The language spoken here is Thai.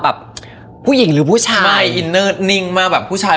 ถ้าเป็นเขาหนูต้องอยู่เฉย